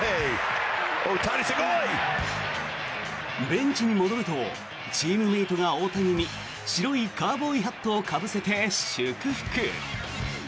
ベンチに戻るとチームメートが大谷に白いカウボーイハットをかぶせて祝福。